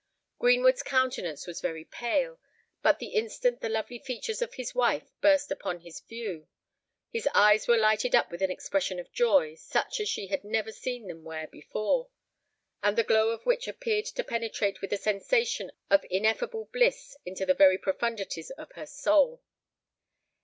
Greenwood's countenance was very pale; but the instant the lovely features of his wife burst upon his view, his eyes were lighted up with an expression of joy such as she had never seen them wear before, and the glow of which appeared to penetrate with a sensation of ineffable bliss into the very profundities of her soul.